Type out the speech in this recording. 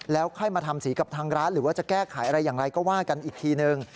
แล้วค่อยมาทำสีกับทางร้านหรือว่าจะแก้ไขอะไรอย่างไรก็ว่ากันอีกทีนึง